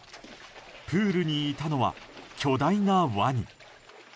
プールにいたのは巨大なワニ。